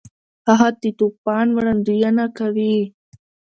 هغه د طوفان وړاندوینه کوي.